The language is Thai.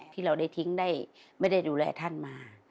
ที่เราได้ทิ้งไม่ได้ดูแลท่านมา